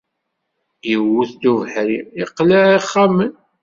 Iwwet-d ubeḥri, iqelleɛ ixxamen